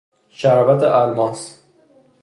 شربت الماس